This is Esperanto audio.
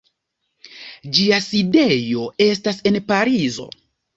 Ĝia sidejo estas en Parizo.